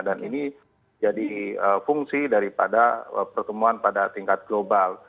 ini jadi fungsi daripada pertemuan pada tingkat global